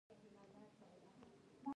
زه خپلو والدینو ته درناوی لرم.